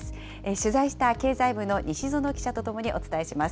取材した経済部の西園記者とともにお伝えします。